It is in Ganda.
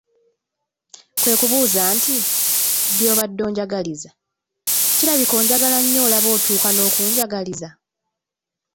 kwe kubuuza nti, “by’obadde onjagaliza, kirabika onjagala nnyo olaba otuuka n’okunjagaliza!